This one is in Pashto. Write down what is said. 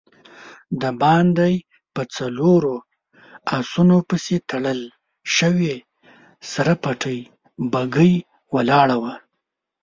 د باندی په څلورو آسونو پسې تړل شوې سر پټې بګۍ ولاړه وه.